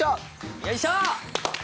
よいしょ！